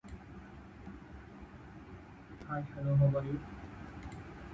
He served in the Greek army during the Balkan Wars and World War One.